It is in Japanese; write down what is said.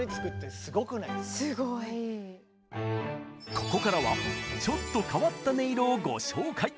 ここからはちょっと変わった音色をご紹介。